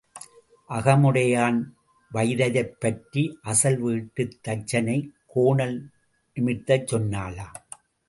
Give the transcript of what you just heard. அகமுடையான் வைததைப்பற்றி அசல் வீட்டுத் தச்சனைக் கோணல் நிமிர்த்தச் சொன்னாளாம்.